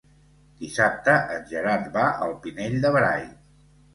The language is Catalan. Dissabte en Gerard va al Pinell de Brai.